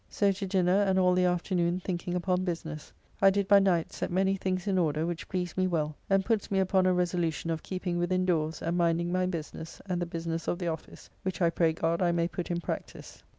So to dinner, and all the afternoon thinking upon business. I did by night set many things in order, which pleased me well, and puts me upon a resolution of keeping within doors and minding my business and the business of the office, which I pray God I may put in practice.